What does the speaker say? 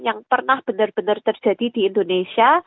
yang pernah benar benar terjadi di indonesia